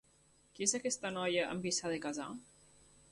Qui és aquesta noia amb qui s'ha de casar?